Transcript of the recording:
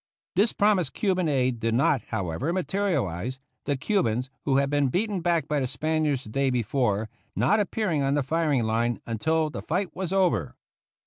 This promised Cuban aid did not, however, materialize, the Cubans, who had been beaten back by the Spaniards the day before, not appearing on the firing line until the fight was over.